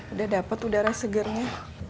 udah dapat udara segernya